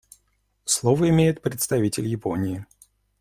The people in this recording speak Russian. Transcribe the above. Слово имеет представитель Японии.